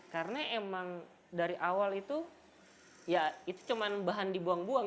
karena emang dari awal itu ya itu cuman bahan dibuang buang